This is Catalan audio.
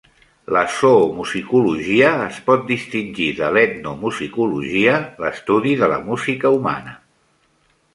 La zoomusicologia es pot distingir de l'etnomusicologia, l'estudi de la música humana.